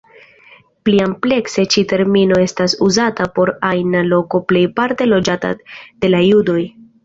Pli amplekse ĉi termino estas uzata por ajna loko plejparte loĝata de la judoj.